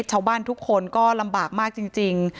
ชาวบ้านทุกคนก็ลำบากมากจริง